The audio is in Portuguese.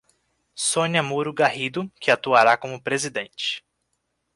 Sonia Muro Garrido, que atuará como presidente.